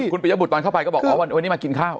คุณปิยบุตรตอนเข้าไปก็บอกอ๋อวันนี้มากินข้าว